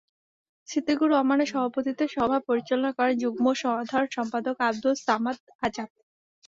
সিদ্দিকুর রহমানের সভাপতিত্বে সভা পরিচালনা করেন যুগ্ম সাধারণ সম্পাদক আব্দুস সামাদ আজাদ।